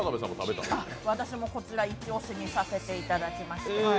私もこちら、一押しにさせていただきました。